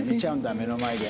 目の前で。